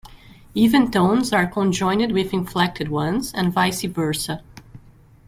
Even tones are conjoined with inflected ones, and vice versa.